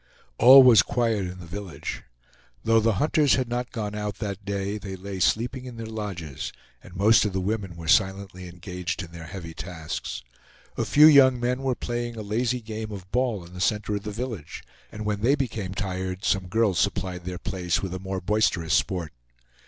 All was quiet in the village. Though the hunters had not gone out that day, they lay sleeping in their lodges, and most of the women were silently engaged in their heavy tasks. A few young men were playing a lazy game of ball in the center of the village; and when they became tired, some girls supplied their place with a more boisterous sport.